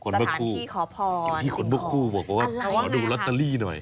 สถานที่ขอพรอยู่ที่คนเบื้องคู่บอกว่าขอดูรัตตาลีหน่อย